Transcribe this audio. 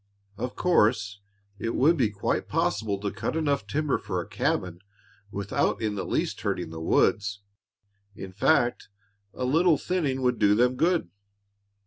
"Of course, it would be quite possible to cut enough timber for a cabin without in the least hurting the woods; in fact a little thinning would do them good."